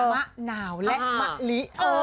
มะนาวและมะลิ